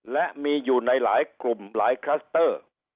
และมีอยู่ในหลายกลุ่มหลายคลัสเตอร์